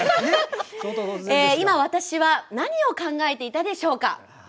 今、私は何を考えていたでしょう。